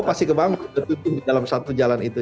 oh pasti kebangun ada tujuh di dalam satu jalan itu